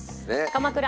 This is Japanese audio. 鎌倉。